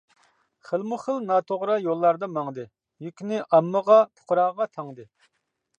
خىلمۇ خىل ناتوغرا يوللاردا ماڭدى، يۈكىنى ئاممىغا، پۇقراغا تاڭدى.